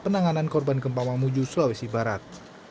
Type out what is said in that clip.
penanganan korban gempa mamuju sulawesi barat